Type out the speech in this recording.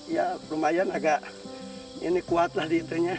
ya lumayan agak ini kuat lah di intinya